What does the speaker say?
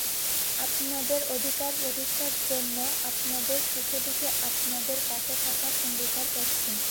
আপনাদের অধিকার প্রতিষ্ঠার জন্য, আপনাদের সুখে-দুঃখে আপনাদের পাশে থাকার অঙ্গীকার করছি।